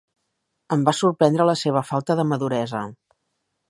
Em va sorprendre la seva falta de maduresa.